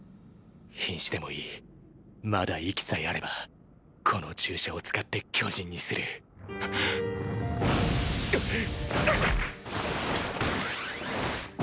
瀕死でもいいまだ息さえあればこの注射を使って巨人にするはっ。